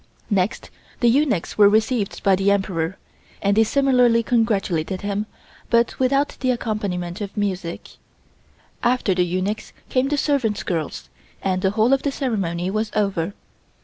Next the eunuchs were received by the Emperor, and they similarly congratulated him, but without the accompaniment of music. After the eunuchs came the servant girls, and the whole of the ceremony was over.